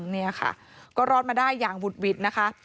นี่ค่ะก็รอดมาได้อย่างบุดหวิดนะคะ